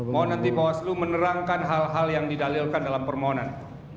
mohon nanti pak waslu menerangkan hal hal yang didalilkan dalam permohonan